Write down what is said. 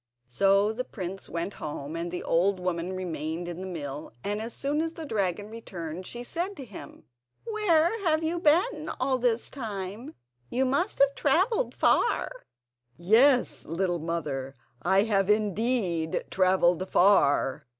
So the prince went home, and the old woman remained in the mill, and as soon as the dragon returned she said to him: "Where have you been all this time—you must have travelled far?" "Yes, little mother, I have indeed travelled far."